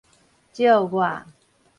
借我